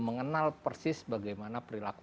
mengenal persis bagaimana perilaku